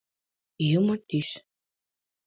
Юмо тӱс